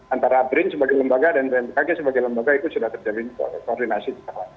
antara brin sebagai lembaga dan bmkg sebagai lembaga itu sudah terjalin koordinasi